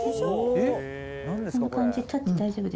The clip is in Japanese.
この感じタッチ大丈夫ですか？